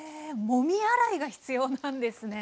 もみ洗いが必要なんですね。